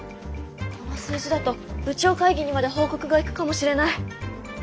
この数字だと部長会議にまで報告が行くかもしれない。